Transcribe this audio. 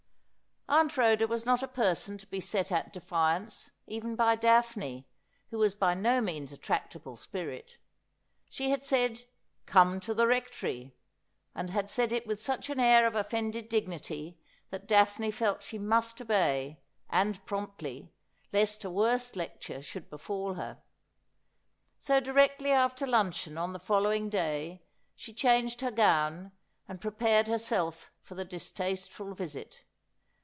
Aunt Rhoda was not a person to be set at defiance, even by Daphne, who was by no means a tractable spirit. She had said, ' Come to the Rectory,' and had said it with such an air of offended dignity that Daphne felt she must obey, and promptly, lest a worse lecture should befall her. So directly after luncheon on the following day she changed her gown, and prepared her self for the distasteful visit.